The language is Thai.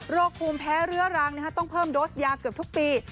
ภูมิแพ้เรื้อรังต้องเพิ่มโดสยาเกือบทุกปี